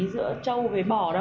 giữa châu với bò đâu